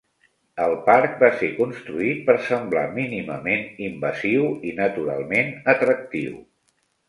El parc va ser construït per semblar mínimament invasiu i naturalment atractiu.